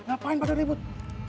ngapain pada ribut